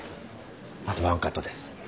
あとワンカットです。